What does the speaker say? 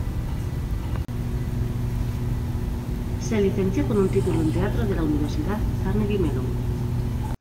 Se licenció con un título en teatro de la Universidad Carnegie Mellon.